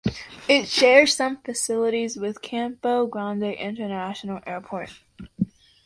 It shares some facilities with Campo Grande International Airport.